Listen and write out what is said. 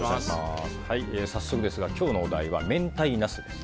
早速ですが今日のお題は明太ナスです。